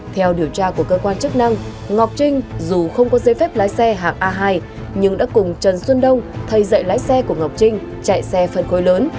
theo điều tra của cơ quan chức năng ngọc trinh dù không có giấy phép lái xe hạng a hai nhưng đã cùng trần xuân đông thay dạy lái xe của ngọc trinh chạy xe phân khối lớn